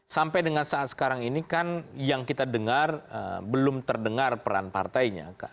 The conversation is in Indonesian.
sampai dengan saat sekarang ini kan yang kita dengar belum terdengar peran partainya